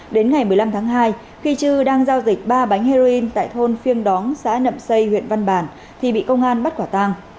đến ngày một mươi năm tháng hai khi chư đang giao dịch ba bánh heroin tại thôn phiêng đóng xã nậm xây huyện văn bàn thì bị công an bắt quả tang